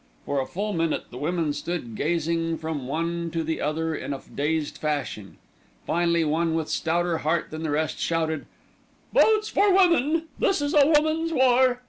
For a full minute the women stood gazing from one to the other in a dazed fashion. Finally one with stouter heart than the rest shouted "Votes for Women! This is a woman's war!"